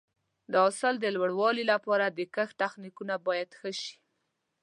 د حاصل د لوړوالي لپاره د کښت تخنیکونه باید ښه شي.